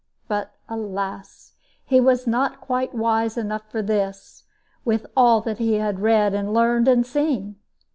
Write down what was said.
But, alas! he was not quite wise enough for this, with all that he had read and learned and seen.